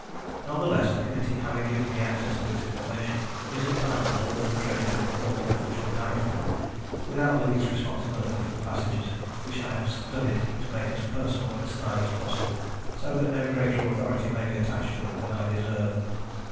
None the less the Committee, having given me access to its information, is entitled to all the credit of a formal Official Narrative, without the least responsibility for the passages which I have studied to make as personal in style as possible, so that no greater authority may be attached to them than I deserve.